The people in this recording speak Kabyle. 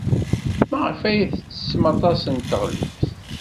Maɣef ay tettessem aṭas n teɣlust?